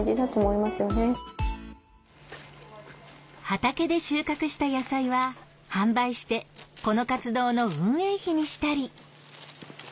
畑で収穫した野菜は販売してこの活動の運営費にしたり。